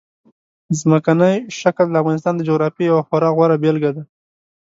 ځمکنی شکل د افغانستان د جغرافیې یوه خورا غوره بېلګه ده.